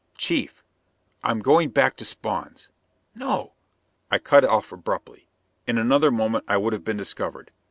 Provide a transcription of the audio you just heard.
"Chief, I'm going back to Spawn's." "No " I cut off abruptly. In another moment I would have been discovered.